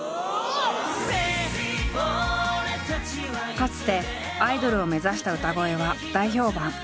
かつてアイドルを目指した歌声は大評判。